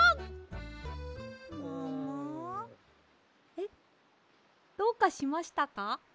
えっどうかしましたか？